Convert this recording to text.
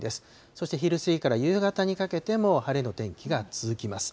そして昼過ぎから夕方にかけても晴れの天気が続きます。